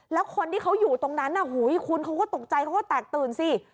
แล้วคนที่เขาอยู่ตรงนั้นคุณเขาก็ตกใจเขาก็แตกตื่นสิ